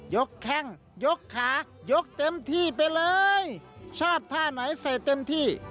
แข้งยกขายกเต็มที่ไปเลยชอบท่าไหนใส่เต็มที่